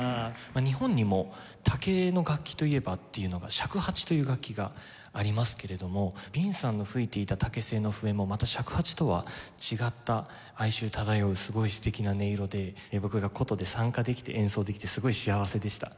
日本にも竹の楽器といえばっていうのが尺八という楽器がありますけれどもヴィンさんの吹いていた竹製の笛もまた尺八とは違った哀愁漂うすごい素敵な音色で僕が箏で参加できて演奏できてすごい幸せでした。